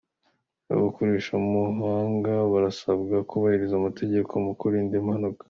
Abakoresha umuhanda barasabwa kubahiriza amategeko mu kwirinda impanuka